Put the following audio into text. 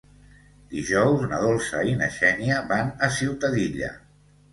Dijous na Dolça i na Xènia van a Ciutadilla.